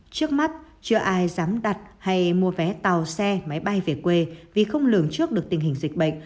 trước mắt chưa ai dám đặt hay mua vé tàu xe máy bay về quê vì không lường trước được tình hình dịch bệnh